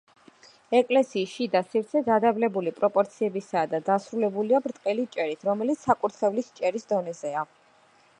ეკლესიის შიდა სივრცე დადაბლებული პროპორციებისაა და დასრულებულია ბრტყელი ჭერით, რომელიც საკურთხევლის ჭერის დონეზეა.